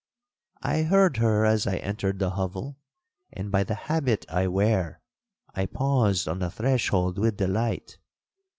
'I heard her as I entered the hovel; and, by the habit I wear, I paused on the threshold with delight.